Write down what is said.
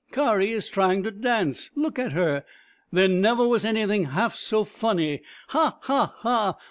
" Kari is trying to dance — look at her ! There never was anything half so funny — ha ha ha